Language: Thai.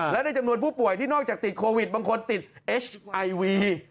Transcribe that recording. และในจำนวนผู้ป่วยที่นอกจากติดโควิดบางคนติดเอชไอวี